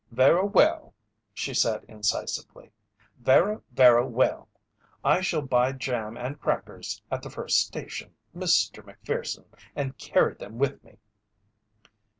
"Verra well," she said, incisively, "verra, verra well! I shall buy jam and crackers at the first station, Mr. Macpherson, and carry them with me."